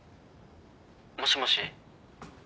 もしもし？